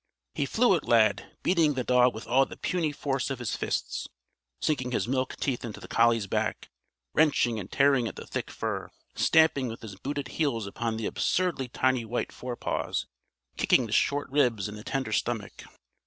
He flew at Lad, beating the dog with all the puny force of his fists, sinking his milk teeth into the collie's back, wrenching and tearing at the thick fur, stamping with his booted heels upon the absurdly tiny white forepaws, kicking the short ribs and the tender stomach.